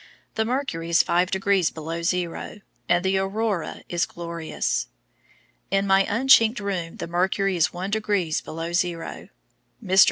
The mercury is 5 degrees below zero, and the aurora is glorious. In my unchinked room the mercury is 1 degrees below zero. Mr.